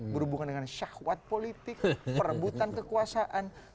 berhubungan dengan syahwat politik perebutan kekuasaan